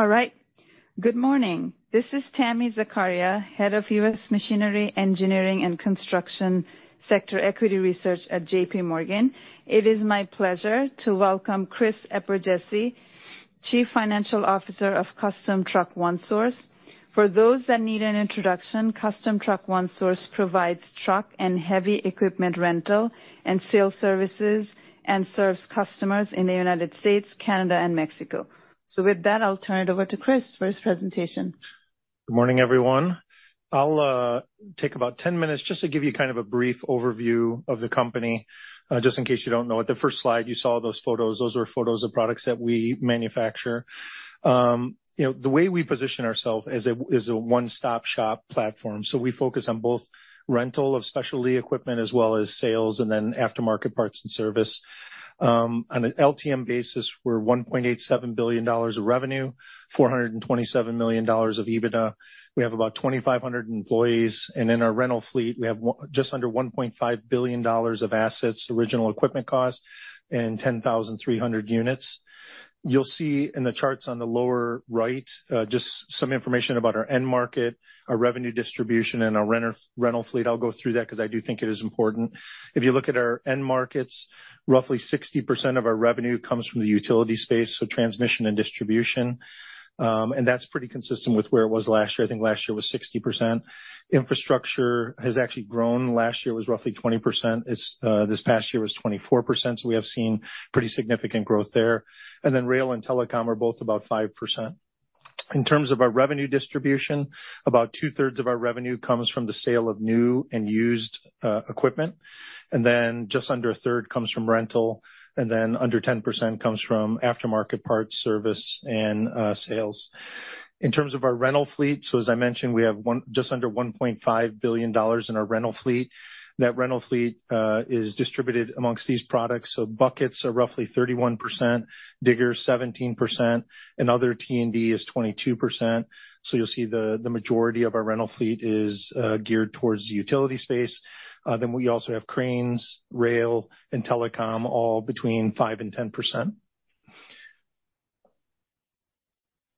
All right. Good morning. This is Tami Zakaria, Head of U.S. Machinery, Engineering, and Construction Sector Equity Research at JPMorgan. It is my pleasure to welcome Chris Eperjesy, Chief Financial Officer of Custom Truck One Source. For those that need an introduction, Custom Truck One Source provides truck and heavy equipment rental and sale services and serves customers in the United States, Canada, and Mexico. With that, I'll turn it over to Chris for his presentation. Good morning, everyone. I'll take about 10 minutes just to give you kind of a brief overview of the company, just in case you don't know. At the first slide, you saw those photos. Those were photos of products that we manufacture. You know, the way we position ourselves is a one-stop shop platform. So we focus on both rental of specialty equipment as well as sales and then aftermarket parts and service. On an LTM basis, we're $1.87 billion of revenue, $427 million of EBITDA. We have about 2,500 employees. And in our rental fleet, we have just under $1.5 billion of assets, original equipment costs, and 10,300 units. You'll see in the charts on the lower right, just some information about our end market, our revenue distribution, and our rental fleet. I'll go through that 'cause I do think it is important. If you look at our end markets, roughly 60% of our revenue comes from the utility space, so transmission and distribution. That's pretty consistent with where it was last year. I think last year it was 60%. Infrastructure has actually grown. Last year it was roughly 20%. It's this past year was 24%. So we have seen pretty significant growth there. Rail and telecom are both about 5%. In terms of our revenue distribution, about two-thirds of our revenue comes from the sale of new and used equipment. Just under a third comes from rental. Under 10% comes from aftermarket parts, service, and sales. In terms of our rental fleet, so as I mentioned, we have one just under $1.5 billion in our rental fleet. That rental fleet is distributed amongst these products. So buckets are roughly 31%, diggers 17%, and other T&D is 22%. So you'll see the majority of our rental fleet is geared towards the utility space. Then we also have cranes, rail, and telecom, all between 5%-10%.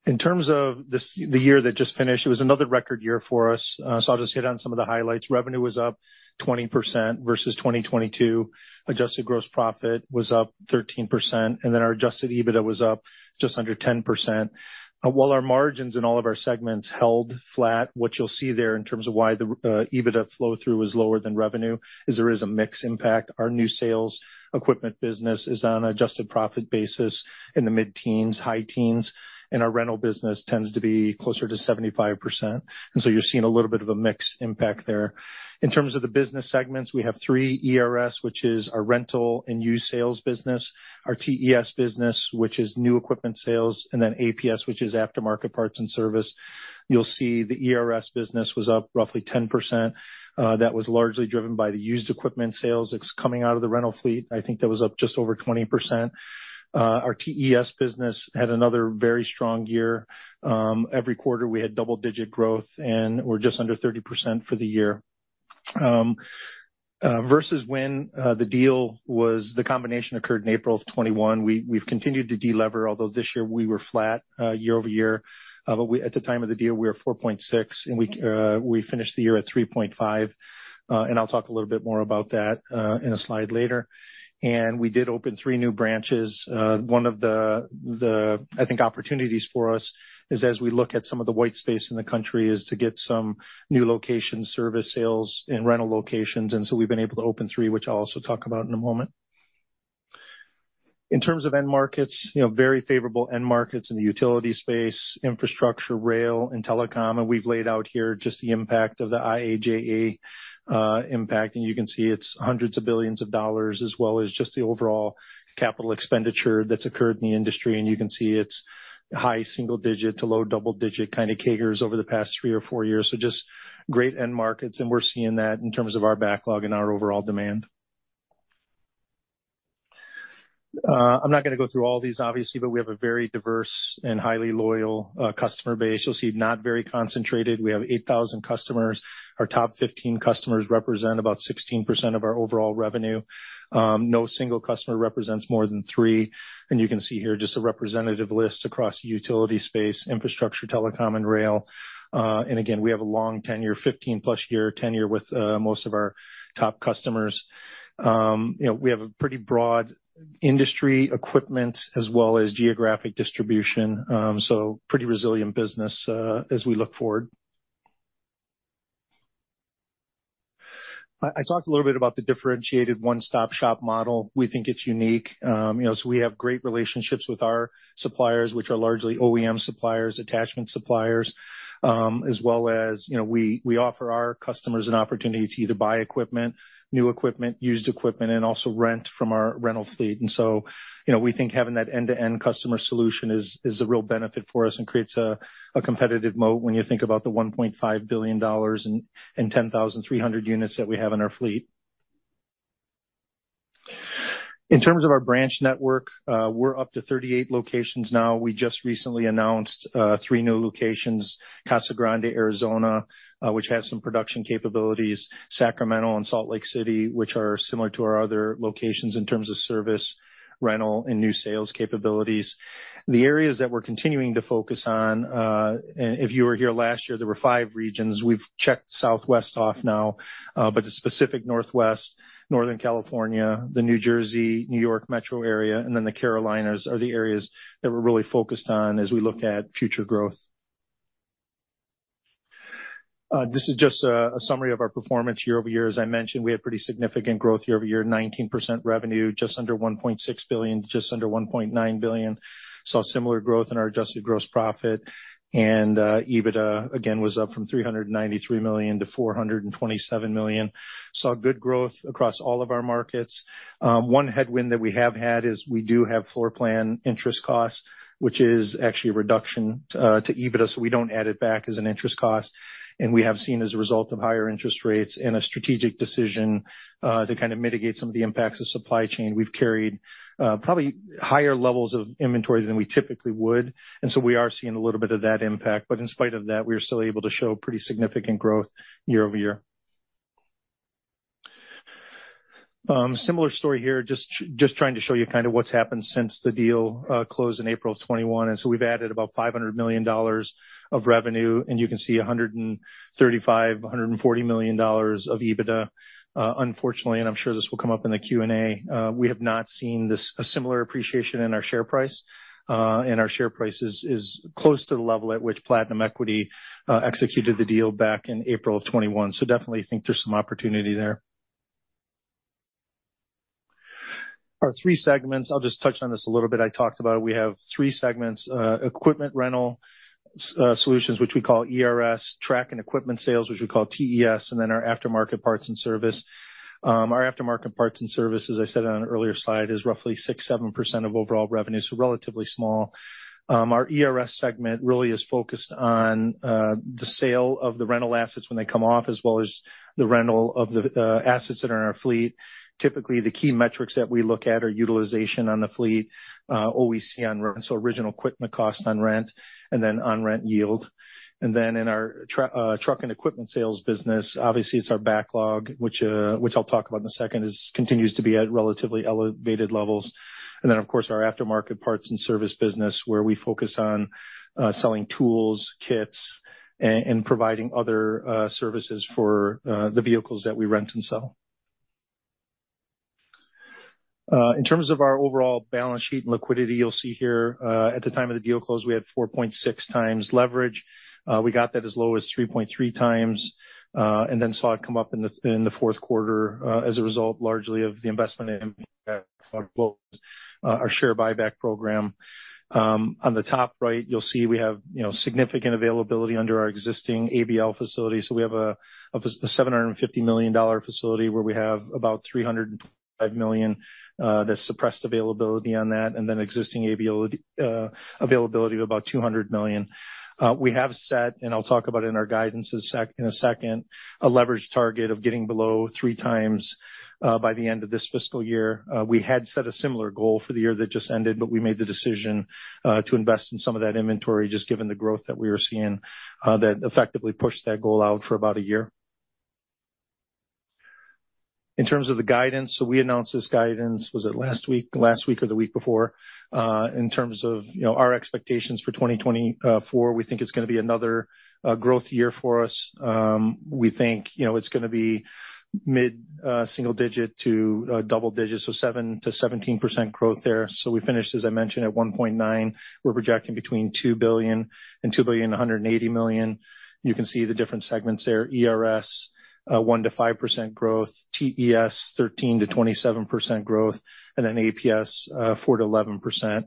In terms of the year that just finished, it was another record year for us. So I'll just hit on some of the highlights. Revenue was up 20% versus 2022. Adjusted gross profit was up 13%. And then our adjusted EBITDA was up just under 10%. While our margins in all of our segments held flat, what you'll see there in terms of why our EBITDA flow-through was lower than revenue is there is a mixed impact. Our new sales equipment business is on an adjusted profit basis in the mid-teens, high-teens. And our rental business tends to be closer to 75%. So you're seeing a little bit of a mixed impact there. In terms of the business segments, we have three ERS, which is our rental and new sales business, our TES business, which is new equipment sales, and then APS, which is aftermarket parts and service. You'll see the ERS business was up roughly 10%. That was largely driven by the used equipment sales ex coming out of the rental fleet. I think that was up just over 20%. Our TES business had another very strong year. Every quarter we had double-digit growth, and we're just under 30% for the year versus when the deal was the combination occurred in April of 2021. We've continued to delever, although this year we were flat year-over-year. But at the time of the deal, we were 4.6, and we finished the year at 3.5. And I'll talk a little bit more about that in a slide later. We did open three new branches. One of the, I think, opportunities for us is as we look at some of the white space in the country is to get some new locations, service sales, and rental locations. So we've been able to open three, which I'll also talk about in a moment. In terms of end markets, you know, very favorable end markets in the utility space, infrastructure, rail, and telecom. We've laid out here just the impact of the IIJA impact. You can see it's $hundreds of billions as well as just the overall capital expenditure that's occurred in the industry. You can see it's high single-digit to low double-digit kind of CAGRs over the past three or four years. So just great end markets. And we're seeing that in terms of our backlog and our overall demand. I'm not gonna go through all these, obviously, but we have a very diverse and highly loyal customer base. You'll see not very concentrated. We have 8,000 customers. Our top 15 customers represent about 16% of our overall revenue. No single customer represents more than 3%. And you can see here just a representative list across the utility space, infrastructure, telecom, and rail. And again, we have a long tenure, 15+ year tenure with most of our top customers. You know, we have a pretty broad industry equipment, as well as geographic distribution. So pretty resilient business, as we look forward. I talked a little bit about the differentiated one-stop shop model. We think it's unique. You know, so we have great relationships with our suppliers, which are largely OEM suppliers, attachment suppliers, as well as, you know, we offer our customers an opportunity to either buy equipment, new equipment, used equipment, and also rent from our rental fleet. And so, you know, we think having that end-to-end customer solution is a real benefit for us and creates a competitive moat when you think about the $1.5 billion and 10,300 units that we have in our fleet. In terms of our branch network, we're up to 38 locations now. We just recently announced three new locations: Casa Grande, Arizona, which has some production capabilities. Sacramento and Salt Lake City, which are similar to our other locations in terms of service, rental, and new sales capabilities. The areas that we're continuing to focus on, and if you were here last year, there were five regions. We've checked Southwest off now, but the specific Northwest, Northern California, the New Jersey, New York Metro area, and then the Carolinas are the areas that we're really focused on as we look at future growth. This is just a summary of our performance year-over-year. As I mentioned, we had pretty significant growth year-over-year, 19% revenue, just under $1.6 billion, just under $1.9 billion. Saw similar growth in our adjusted gross profit. EBITDA, again, was up from $393 million to $427 million. Saw good growth across all of our markets. One headwind that we have had is we do have floor plan interest costs, which is actually a reduction, to EBITDA. We don't add it back as an interest cost. We have seen, as a result of higher interest rates and a strategic decision to kind of mitigate some of the impacts of supply chain, we've carried probably higher levels of inventory than we typically would. We are seeing a little bit of that impact. But in spite of that, we are still able to show pretty significant growth year over year. Similar story here, just trying to show you kind of what's happened since the deal closed in April of 2021. We've added about $500 million of revenue. You can see $135-$140 million of EBITDA. Unfortunately, and I'm sure this will come up in the Q&A, we have not seen a similar appreciation in our share price. Our share price is close to the level at which Platinum Equity executed the deal back in April of 2021. So definitely think there's some opportunity there. Our three segments, I'll just touch on this a little bit. I talked about it. We have three segments, equipment rental solutions, which we call ERS, truck and equipment sales, which we call TES, and then our aftermarket parts and service. Our aftermarket parts and service, as I said on an earlier slide, is roughly 6%-7% of overall revenue, so relatively small. Our ERS segment really is focused on the sale of the rental assets when they come off, as well as the rental of the assets that are in our fleet. Typically, the key metrics that we look at are utilization on the fleet, OEC on rent, so original equipment cost on rent, and then on-rent yield. And then in our truck and equipment sales business, obviously, it's our backlog, which I'll talk about in a second, it continues to be at relatively elevated levels. And then, of course, our aftermarket parts and service business, where we focus on selling tools, kits, and providing other services for the vehicles that we rent and sell. In terms of our overall balance sheet and liquidity, you'll see here, at the time of the deal close, we had 4.6 times leverage. We got that as low as 3.3 times, and then saw it come up in the fourth quarter, as a result largely of the investment impact on our share buyback program. On the top right, you'll see we have, you know, significant availability under our existing ABL facility. So we have a $750 million facility where we have about $325 million, that's suppressed availability on that, and then existing ABL availability of about $200 million. We have set, and I'll talk about in our guidance in a sec in a second, a leveraged target of getting below 3x, by the end of this fiscal year. We had set a similar goal for the year that just ended, but we made the decision, to invest in some of that inventory, just given the growth that we were seeing, that effectively pushed that goal out for about a year. In terms of the guidance, so we announced this guidance, was it last week, last week or the week before, in terms of, you know, our expectations for 2024, we think it's gonna be another, growth year for us. We think, you know, it's gonna be mid-single-digit to double-digit, so 7%-17% growth there. So we finished, as I mentioned, at $1.9 billion. We're projecting between $2 billion and $2.18 billion. You can see the different segments there: ERS, 1%-5% growth; TES, 13%-27% growth; and then APS, 4%-11%.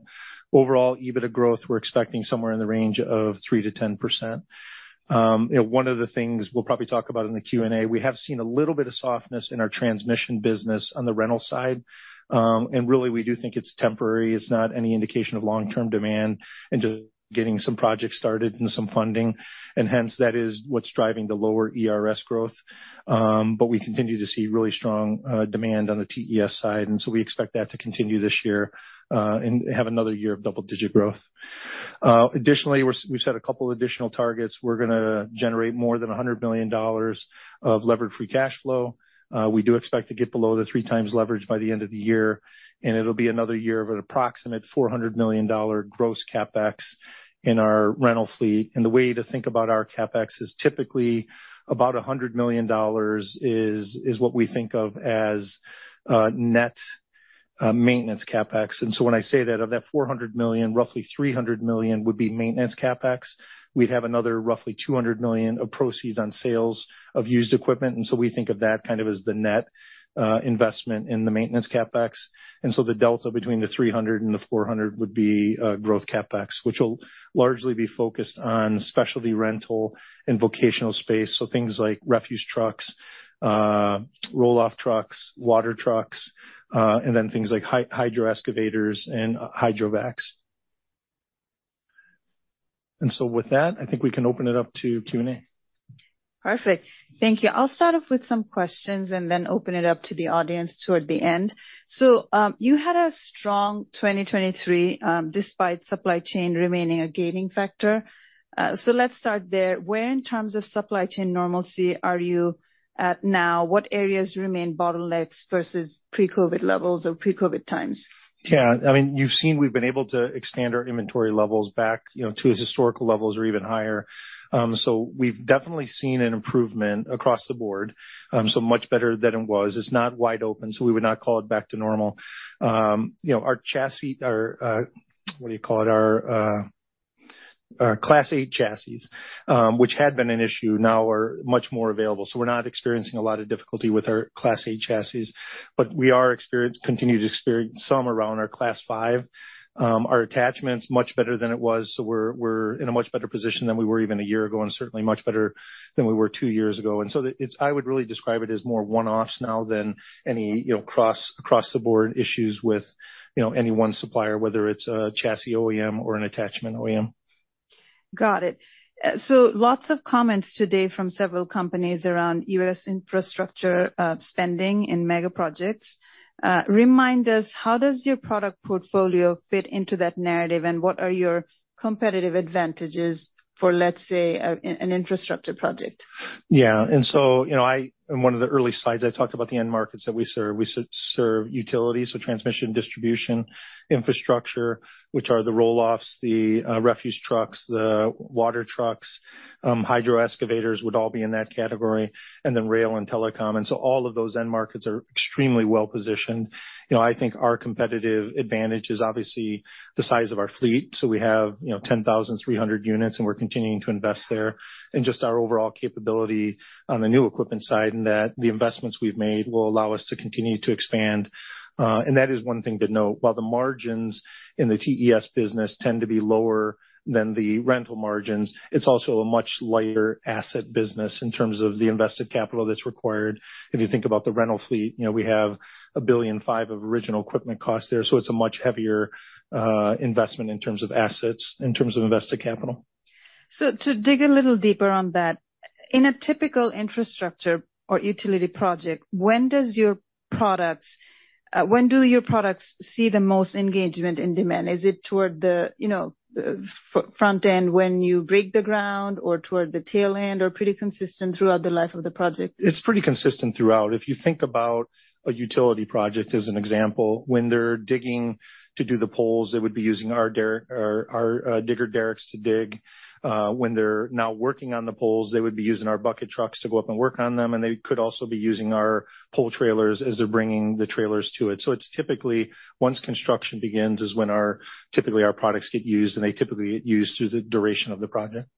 Overall EBITDA growth, we're expecting somewhere in the range of 3%-10%. You know, one of the things we'll probably talk about in the Q&A, we have seen a little bit of softness in our transmission business on the rental side. And really, we do think it's temporary. It's not any indication of long-term demand and just getting some projects started and some funding. And hence, that is what's driving the lower ERS growth. But we continue to see really strong demand on the TES side. So we expect that to continue this year, and have another year of double-digit growth. Additionally, we've set a couple additional targets. We're gonna generate more than $100 million of leveraged free cash flow. We do expect to get below the 3x leverage by the end of the year. It'll be another year of an approximate $400 million gross CapEx in our rental fleet. And the way to think about our CapEx is typically about $100 million is what we think of as net maintenance CapEx. So when I say that, of that $400 million, roughly $300 million would be maintenance CapEx. We'd have another roughly $200 million of proceeds on sales of used equipment. So we think of that kind of as the net investment in the maintenance CapEx. The delta between the $300 and the $400 would be growth CapEx, which will largely be focused on specialty rental and vocational space, so things like refuse trucks, roll-off trucks, water trucks, and then things like hydro excavators and hydrovacs. With that, I think we can open it up to Q&A. Perfect. Thank you. I'll start off with some questions and then open it up to the audience toward the end. So, you had a strong 2023, despite supply chain remaining a gaining factor. So let's start there. Where, in terms of supply chain normalcy, are you at now? What areas remain bottlenecks versus pre-COVID levels or pre-COVID times? Yeah. I mean, you've seen we've been able to expand our inventory levels back, you know, to historical levels or even higher. So we've definitely seen an improvement across the board, so much better than it was. It's not wide open, so we would not call it back to normal. You know, our chassis, what do you call it? Our Class 8 chassis, which had been an issue, now are much more available. So we're not experiencing a lot of difficulty with our Class 8 chassis. But we continue to experience some around our Class 5. Our attachments, much better than it was. So we're in a much better position than we were even a year ago and certainly much better than we were two years ago. And so it's I would really describe it as more one-offs now than any, you know, across the board issues with, you know, any one supplier, whether it's a chassis OEM or an attachment OEM. Got it. So lots of comments today from several companies around U.S. infrastructure, spending and mega projects. Remind us, how does your product portfolio fit into that narrative, and what are your competitive advantages for, let's say, an infrastructure project? Yeah. And so, you know, I, in one of the early slides, I talked about the end markets that we serve. We serve utilities, so transmission, distribution, infrastructure, which are the roll-offs, the refuse trucks, the water trucks. Hydro excavators would all be in that category, and then rail and telecom. And so all of those end markets are extremely well-positioned. You know, I think our competitive advantage is obviously the size of our fleet. So we have, you know, 10,300 units, and we're continuing to invest there. And just our overall capability on the new equipment side and that the investments we've made will allow us to continue to expand, and that is one thing to note. While the margins in the TES business tend to be lower than the rental margins, it's also a much lighter asset business in terms of the invested capital that's required. If you think about the rental fleet, you know, we have $1.5 billion of original equipment costs there. So it's a much heavier investment in terms of assets, in terms of invested capital. So to dig a little deeper on that, in a typical infrastructure or utility project, when do your products see the most engagement in demand? Is it toward the, you know, the front end when you break the ground or toward the tail end or pretty consistent throughout the life of the project? It's pretty consistent throughout. If you think about a utility project, as an example, when they're digging to do the poles, they would be using our derrick or our digger derricks to dig. When they're now working on the poles, they would be using our bucket trucks to go up and work on them. And they could also be using our pole trailers as they're bringing the trailers to it. So it's typically once construction begins is when our typically our products get used, and they typically get used through the duration of the project.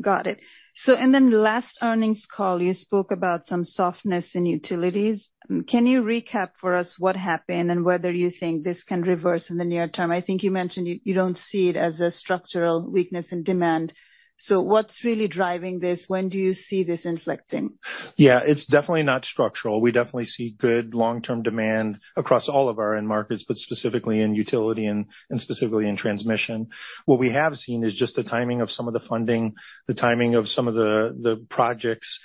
Got it. So and then last earnings call, you spoke about some softness in utilities. Can you recap for us what happened and whether you think this can reverse in the near term? I think you mentioned you you don't see it as a structural weakness in demand. So what's really driving this? When do you see this inflecting? Yeah. It's definitely not structural. We definitely see good long-term demand across all of our end markets, but specifically in utility and specifically in transmission. What we have seen is just the timing of some of the funding, the timing of some of the projects,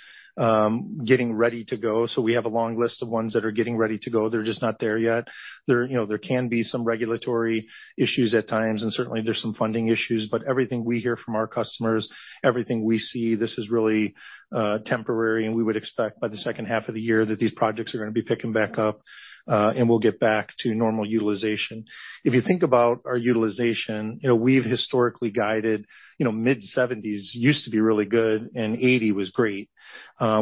getting ready to go. So we have a long list of ones that are getting ready to go. They're just not there yet. You know, there can be some regulatory issues at times, and certainly, there's some funding issues. But everything we hear from our customers, everything we see, this is really temporary. And we would expect by the second half of the year that these projects are gonna be picking back up, and we'll get back to normal utilization. If you think about our utilization, you know, we've historically guided, you know, mid-70s used to be really good, and 80 was great.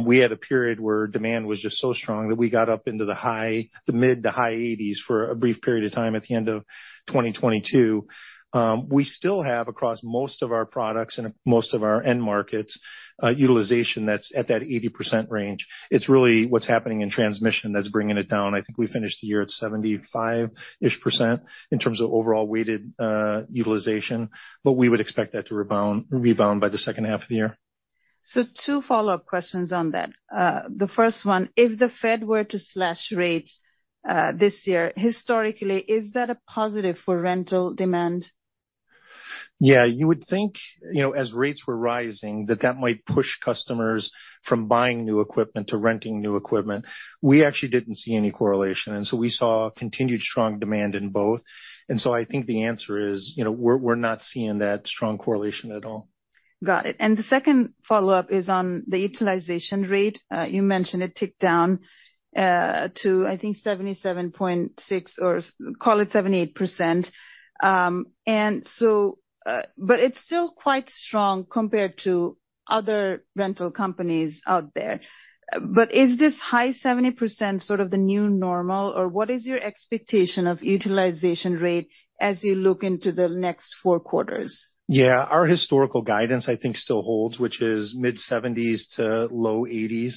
We had a period where demand was just so strong that we got up into the high 80s for a brief period of time at the end of 2022. We still have across most of our products and most of our end markets, utilization that's at that 80% range. It's really what's happening in transmission that's bringing it down. I think we finished the year at 75-ish% in terms of overall weighted utilization. But we would expect that to rebound by the second half of the year. So 2 follow-up questions on that. The first one, if the Fed were to slash rates this year, historically, is that a positive for rental demand? Yeah. You would think, you know, as rates were rising, that that might push customers from buying new equipment to renting new equipment. We actually didn't see any correlation. And so we saw continued strong demand in both. And so I think the answer is, you know, we're not seeing that strong correlation at all. Got it. And the second follow-up is on the utilization rate. You mentioned it ticked down to, I think, 77.6% or call it 78%. And so but it's still quite strong compared to other rental companies out there. But is this high 70% sort of the new normal, or what is your expectation of utilization rate as you look into the next four quarters? Yeah. Our historical guidance, I think, still holds, which is mid-70s to low 80s,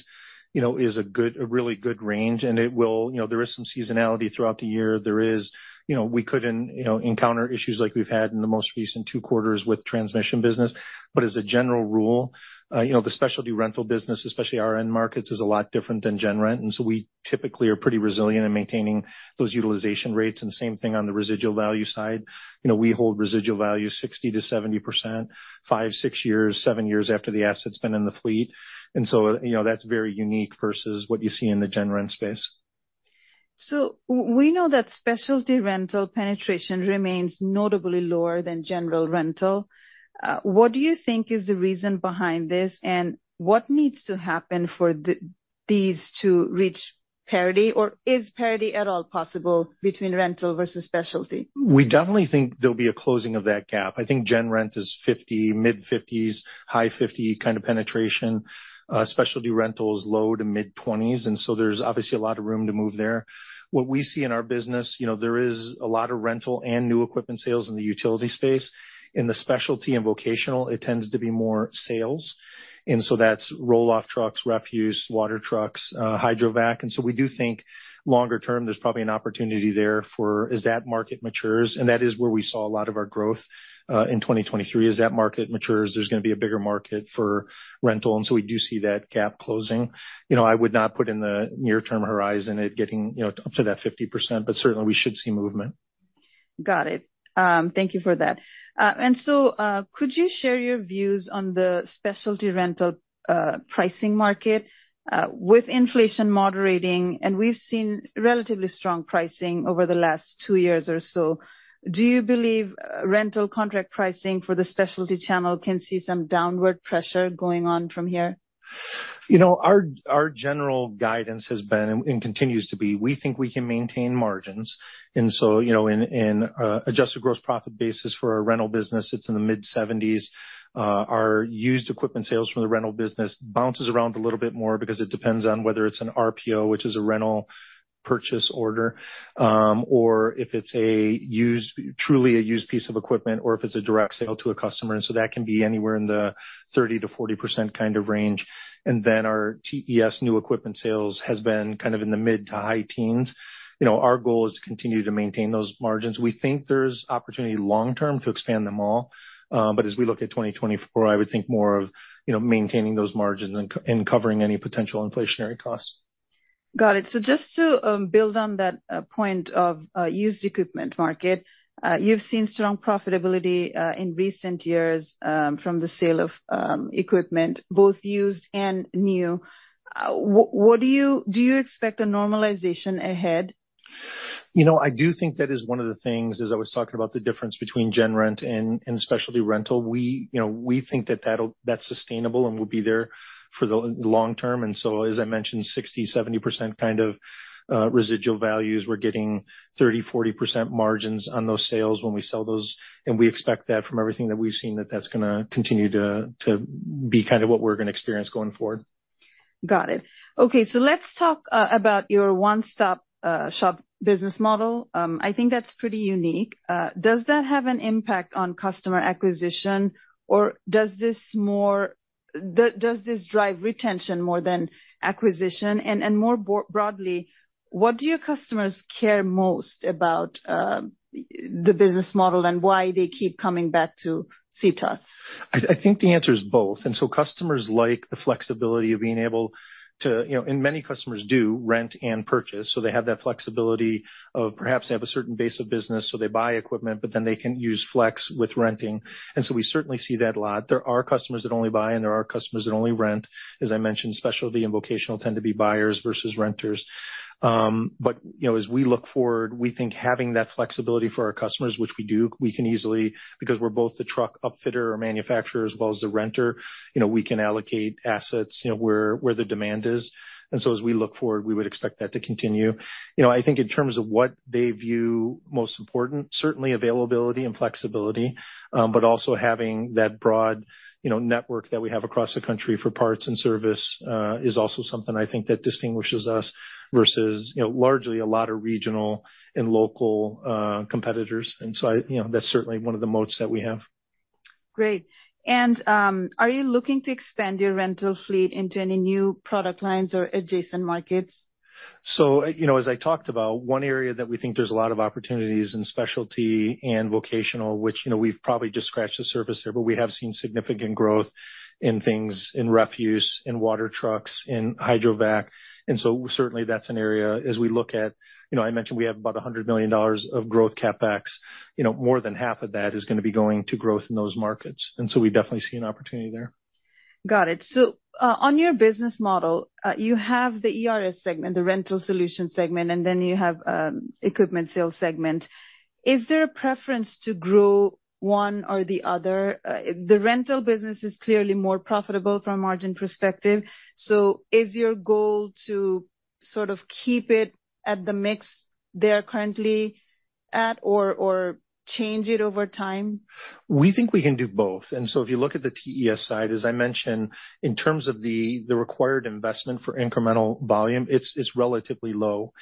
you know, is a really good range. And it will, you know, there is some seasonality throughout the year. There is, you know, we couldn't, you know, encounter issues like we've had in the most recent two quarters with transmission business. But as a general rule, you know, the specialty rental business, especially our end markets, is a lot different than gen rent. And so we typically are pretty resilient in maintaining those utilization rates. And same thing on the residual value side. You know, we hold residual value 60%-70% five, six years, seven years after the asset's been in the fleet. And so, you know, that's very unique versus what you see in the gen rent space. So we know that specialty rental penetration remains notably lower than general rental. What do you think is the reason behind this, and what needs to happen for these to reach parity, or is parity at all possible between rental versus specialty? We definitely think there'll be a closing of that gap. I think gen rent is 50, mid-50s, high-50s kind of penetration. Specialty rental is low- to mid-20s. And so there's obviously a lot of room to move there. What we see in our business, you know, there is a lot of rental and new equipment sales in the utility space. In the specialty and vocational, it tends to be more sales. And so that's roll-off trucks, refuse, water trucks, hydrovac. And so we do think longer term, there's probably an opportunity there for as that market matures and that is where we saw a lot of our growth, in 2023. As that market matures, there's gonna be a bigger market for rental. And so we do see that gap closing. You know, I would not put in the near-term horizon it getting, you know, up to that 50%, but certainly, we should see movement. Got it. Thank you for that. And so, could you share your views on the specialty rental pricing market, with inflation moderating? And we've seen relatively strong pricing over the last 2 years or so. Do you believe rental contract pricing for the specialty channel can see some downward pressure going on from here? You know, our general guidance has been and continues to be, we think we can maintain margins. And so, you know, in a adjusted gross profit basis for our rental business, it's in the mid-70s%. Our used equipment sales from the rental business bounces around a little bit more because it depends on whether it's an RPO, which is a rental purchase order, or if it's a used truly a used piece of equipment or if it's a direct sale to a customer. And so that can be anywhere in the 30%-40% kind of range. And then our TES new equipment sales has been kind of in the mid- to high teens. You know, our goal is to continue to maintain those margins. We think there's opportunity long-term to expand them all. But as we look at 2024, I would think more of, you know, maintaining those margins and and covering any potential inflationary costs. Got it. So just to build on that point of used equipment market, you've seen strong profitability in recent years from the sale of equipment, both used and new. What do you expect a normalization ahead? You know, I do think that is one of the things as I was talking about the difference between gen rent and specialty rental. We, you know, we think that that'll that's sustainable and will be there for the long-term. And so, as I mentioned, 60%-70% kind of residual values. We're getting 30%-40% margins on those sales when we sell those. And we expect that from everything that we've seen, that that's gonna continue to be kind of what we're gonna experience going forward. Got it. Okay. So let's talk about your one-stop shop business model. I think that's pretty unique. Does that have an impact on customer acquisition, or does this more does this drive retention more than acquisition? And more broadly, what do your customers care most about, the business model and why they keep coming back to CTOS? I think the answer is both. And so customers like the flexibility of being able to you know, and many customers do rent and purchase. So they have that flexibility of perhaps they have a certain base of business, so they buy equipment, but then they can use flex with renting. And so we certainly see that a lot. There are customers that only buy, and there are customers that only rent. As I mentioned, specialty and vocational tend to be buyers versus renters. But, you know, as we look forward, we think having that flexibility for our customers, which we do, we can easily because we're both the truck upfitter or manufacturer as well as the renter, you know, we can allocate assets, you know, where the demand is. And so as we look forward, we would expect that to continue. You know, I think in terms of what they view most important, certainly availability and flexibility, but also having that broad, you know, network that we have across the country for parts and service, is also something I think that distinguishes us versus, you know, largely a lot of regional and local competitors. And so, you know, that's certainly one of the moats that we have. Great. And, are you looking to expand your rental fleet into any new product lines or adjacent markets? So, you know, as I talked about, one area that we think there's a lot of opportunities in specialty and vocational, which, you know, we've probably just scratched the surface there, but we have seen significant growth in things in refuse, in water trucks, in hydrovac. And so certainly, that's an area as we look at you know, I mentioned we have about $100 million of growth CapEx. You know, more than half of that is gonna be going to growth in those markets. And so we definitely see an opportunity there. Got it. So, on your business model, you have the ERS segment, the rental solution segment, and then you have equipment sales segment. Is there a preference to grow one or the other? The rental business is clearly more profitable from a margin perspective. So is your goal to sort of keep it at the mix they're currently at or change it over time? We think we can do both. And so if you look at the TES side, as I mentioned, in terms of the required investment for incremental volume, it's relatively low.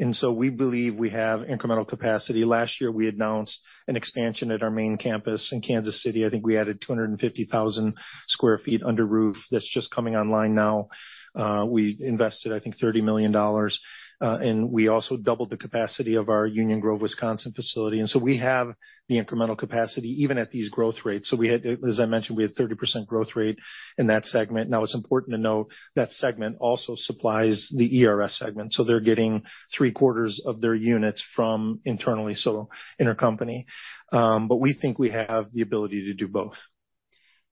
And so we believe we have incremental capacity. Last year, we announced an expansion at our main campus in Kansas City. I think we added 250,000 sq ft under roof that's just coming online now. We invested, I think, $30 million. And we also doubled the capacity of our Union Grove, Wisconsin facility. And so we have the incremental capacity even at these growth rates. So, as I mentioned, we had 30% growth rate in that segment. Now, it's important to note that segment also supplies the ERS segment. So they're getting three-quarters of their units from internally, so intercompany. But we think we have the ability to do both.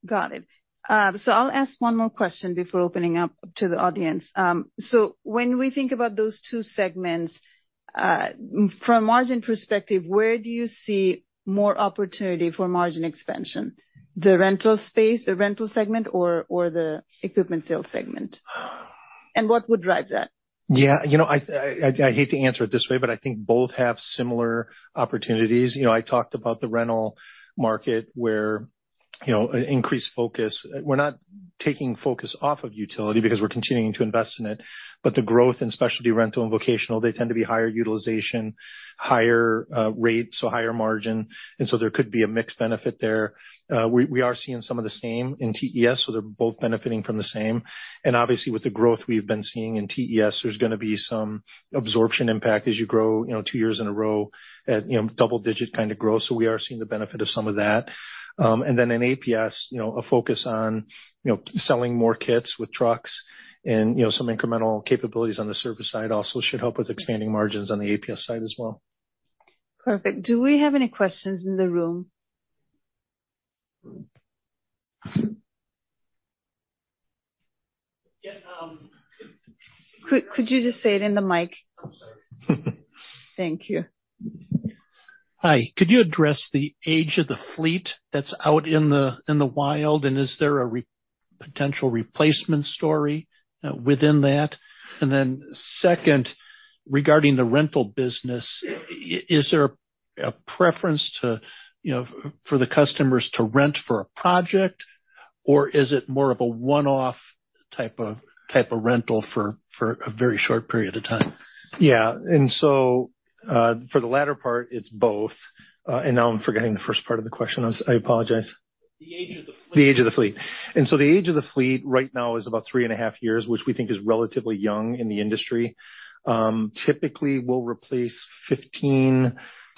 Got it. So I'll ask one more question before opening up to the audience. So when we think about those two segments, from a margin perspective, where do you see more opportunity for margin expansion? The rental space, the rental segment, or the equipment sales segment? And what would drive that? Yeah. You know, I hate to answer it this way, but I think both have similar opportunities. You know, I talked about the rental market where, you know, increased focus. We're not taking focus off of utility because we're continuing to invest in it. But the growth in specialty rental and vocational, they tend to be higher utilization, higher rate, so higher margin. And so there could be a mixed benefit there. We are seeing some of the same in TES, so they're both benefiting from the same. And obviously, with the growth we've been seeing in TES, there's gonna be some absorption impact as you grow, you know, two years in a row at, you know, double-digit kind of growth. So we are seeing the benefit of some of that. And then in APS, you know, a focus on, you know, selling more kits with trucks and, you know, some incremental capabilities on the service side also should help with expanding margins on the APS side as well. Perfect. Do we have any questions in the room? Yeah. Could you just say it in the mic? I'm sorry. Thank you. Hi. Could you address the age of the fleet that's out in the wild, and is there a potential replacement story within that? And then second, regarding the rental business, is there a preference to, you know, for the customers to rent for a project, or is it more of a one-off type of rental for a very short period of time? Yeah. And so, for the latter part, it's both. And now I'm forgetting the first part of the question. I apologize. The age of the fleet. The age of the fleet. And so the age of the fleet right now is about 3.5 years, which we think is relatively young in the industry. Typically, we'll replace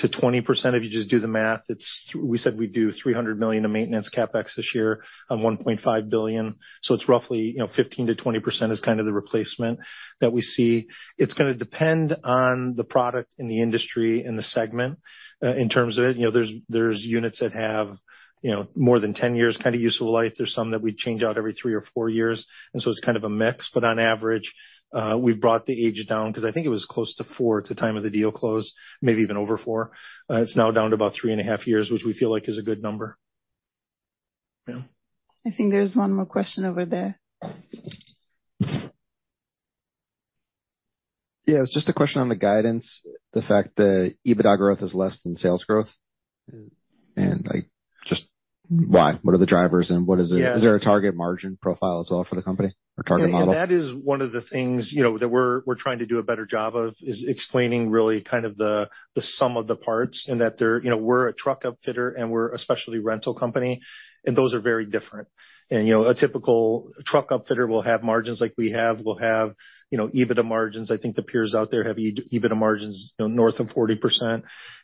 15%-20%. If you just do the math, it's, we said we do $300 million of maintenance CapEx this year on $1.5 billion. So it's roughly, you know, 15%-20% is kind of the replacement that we see. It's gonna depend on the product in the industry and the segment, in terms of it. You know, there's units that have, you know, more than 10 years kind of use of life. There's some that we change out every 3 or 4 years. And so it's kind of a mix. But on average, we've brought the age down because I think it was close to 4 at the time of the deal close, maybe even over 4. It's now down to about 3.5 years, which we feel like is a good number. Yeah. I think there's 1 more question over there. Yeah. It was just a question on the guidance, the fact that EBITDA growth is less than sales growth. And I just why? What are the drivers, and what is it? Is there a target margin profile as well for the company or target model? Yeah. That is one of the things, you know, that we're trying to do a better job of is explaining really kind of the sum of the parts and that they're you know, we're a truck upfitter, and we're a specialty rental company. And those are very different. And, you know, a typical truck upfitter will have margins like we have. We'll have, you know, EBITDA margins. I think the peers out there have EBITDA margins, you know, north of 40%.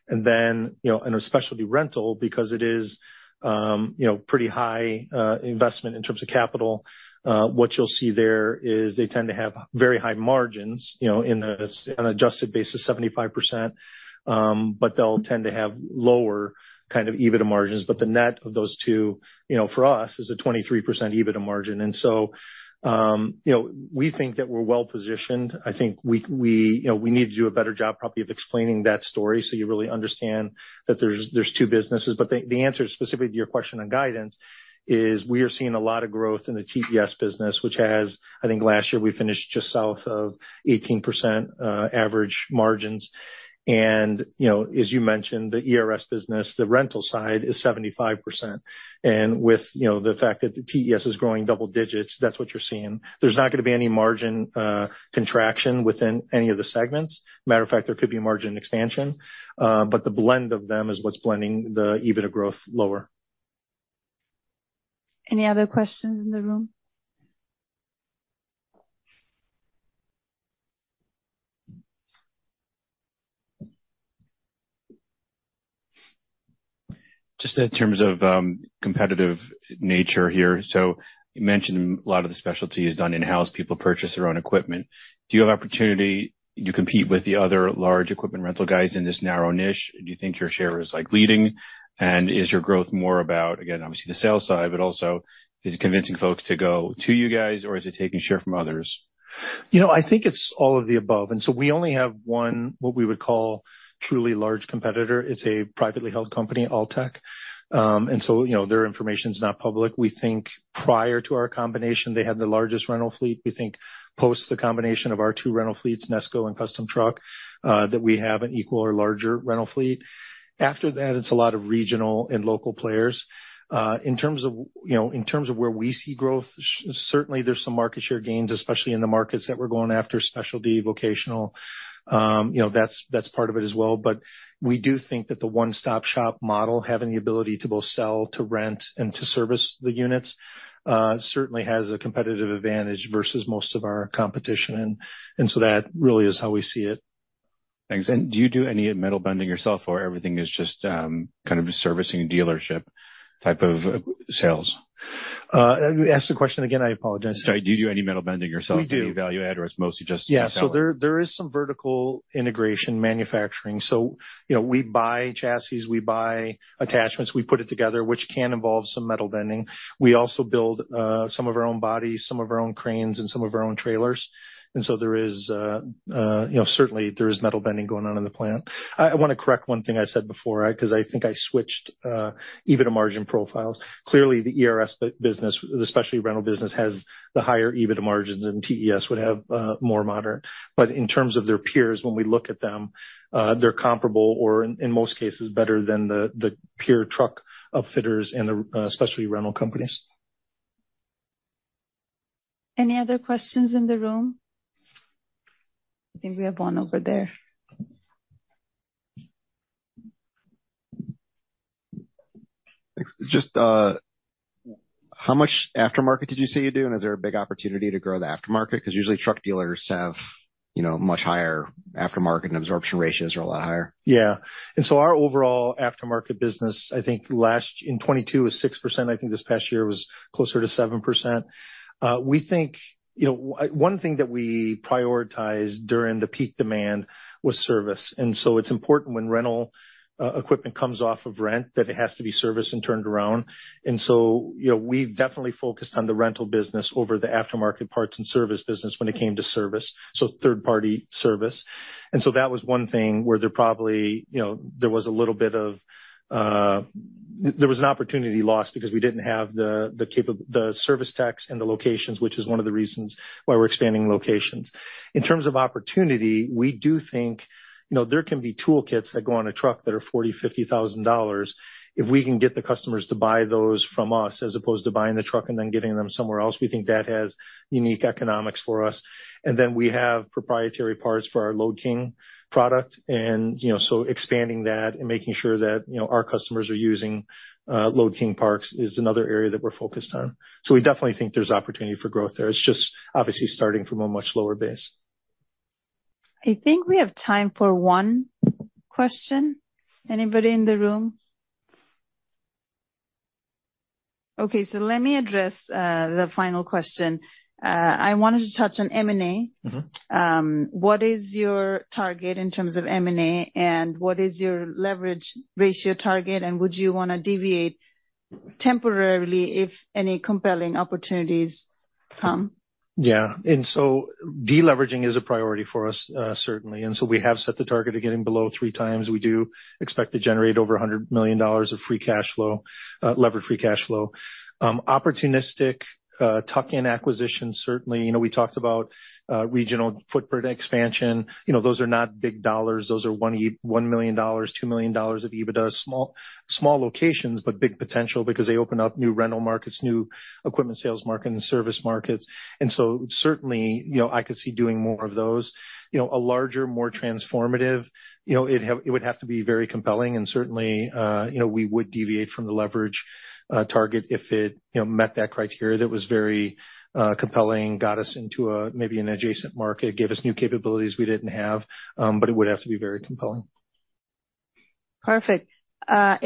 And then, you know, in a specialty rental, because it is, you know, pretty high, investment in terms of capital, what you'll see there is they tend to have very high margins, you know, in the 70s on an adjusted basis, 75%. But they'll tend to have lower kind of EBITDA margins. But the net of those two, you know, for us, is a 23% EBITDA margin. And so, you know, we think that we're well-positioned. I think we we you know, we need to do a better job probably of explaining that story so you really understand that there's there's two businesses. But the the answer specifically to your question on guidance is we are seeing a lot of growth in the TES business, which has I think last year, we finished just south of 18%, average margins. And, you know, as you mentioned, the ERS business, the rental side is 75%. And with, you know, the fact that the TES is growing double digits, that's what you're seeing. There's not gonna be any margin contraction within any of the segments. Matter of fact, there could be margin expansion. But the blend of them is what's blending the EBITDA growth lower. Any other questions in the room? Just in terms of competitive nature here. So you mentioned a lot of the specialty is done in-house. People purchase their own equipment. Do you have opportunity you compete with the other large equipment rental guys in this narrow niche? Do you think your share is, like, leading? And is your growth more about, again, obviously, the sales side, but also, is it convincing folks to go to you guys, or is it taking share from others? You know, I think it's all of the above. And so we only have one what we would call truly large competitor. It's a privately held company, Altec. And so, you know, their information's not public. We think prior to our combination, they had the largest rental fleet. We think post the combination of our two rental fleets, Nesco and Custom Truck, that we have an equal or larger rental fleet. After that, it's a lot of regional and local players. In terms of, you know, in terms of where we see growth, certainly, there's some market share gains, especially in the markets that we're going after, specialty, vocational. You know, that's part of it as well. But we do think that the one-stop shop model, having the ability to both sell, to rent, and to service the units, certainly has a competitive advantage versus most of our competition. And so that really is how we see it. Thanks. And do you do any metal bending yourself, or everything is just, kind of servicing dealership type of sales? Ask the question again. I apologize. Sorry. Do you do any metal bending yourself? Do you value add, or it's mostly just sell? Yeah. So there is some vertical integration manufacturing. So, you know, we buy chassis. We buy attachments. We put it together, which can involve some metal bending. We also build some of our own bodies, some of our own cranes, and some of our own trailers. And so there is, you know, certainly metal bending going on in the plant. I wanna correct one thing I said before, right, because I think I switched EBITDA margin profiles. Clearly, the ERS business, the specialty rental business, has the higher EBITDA margins than TES would have, more moderate. But in terms of their peers, when we look at them, they're comparable or, in most cases, better than the peer truck upfitters and the specialty rental companies. Any other questions in the room? I think we have one over there. Thanks. Just, how much aftermarket did you say you do? And is there a big opportunity to grow the aftermarket? Because usually, truck dealers have, you know, much higher aftermarket and absorption ratios are a lot higher. Yeah. And so our overall aftermarket business, I think, last in 2022 was 6%. I think this past year was closer to 7%. We think, you know, one thing that we prioritized during the peak demand was service. And so it's important when rental equipment comes off of rent that it has to be serviced and turned around. And so, you know, we've definitely focused on the rental business over the aftermarket parts and service business when it came to service, so third-party service. That was one thing where there probably, you know, there was a little bit of, there was an opportunity lost because we didn't have the capacity, the service, the assets and the locations, which is one of the reasons why we're expanding locations. In terms of opportunity, we do think, you know, there can be toolkits that go on a truck that are $40,000-$50,000. If we can get the customers to buy those from us as opposed to buying the truck and then giving them somewhere else, we think that has unique economics for us. And then we have proprietary parts for our Load King product. And, you know, so expanding that and making sure that, you know, our customers are using Load King parts is another area that we're focused on. So we definitely think there's opportunity for growth there. It's just obviously starting from a much lower base. I think we have time for one question. Anybody in the room? Okay. So let me address the final question. I wanted to touch on M&A. Mm-hmm. What is your target in terms of M&A, and what is your leverage ratio target? And would you wanna deviate temporarily if any compelling opportunities come? Yeah. And so deleveraging is a priority for us, certainly. And so we have set the target of getting below three times. We do expect to generate over $100 million of free cash flow, leveraged free cash flow. Opportunistic, tuck-in acquisitions, certainly. You know, we talked about regional footprint expansion. You know, those are not big dollars. Those are $1 million-$2 million of EBITDA. Small small locations, but big potential because they open up new rental markets, new equipment sales market, and service markets. And so certainly, you know, I could see doing more of those. You know, a larger, more transformative, you know, it ha it would have to be very compelling. And certainly, you know, we would deviate from the leverage target if it, you know, met that criteria that was very compelling, got us into maybe an adjacent market, gave us new capabilities we didn't have. But it would have to be very compelling. Perfect.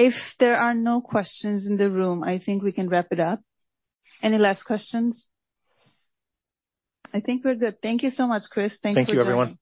If there are no questions in the room, I think we can wrap it up. Any last questions? I think we're good. Thank you so much, Chris. Thanks for joining. Thank you, everyone.